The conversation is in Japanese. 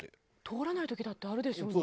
通らない時だってあるでしょうに。